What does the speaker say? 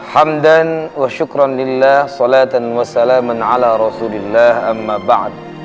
hamdan wa syukran lillah salatan wa salaman ala rasulillah amma ba'd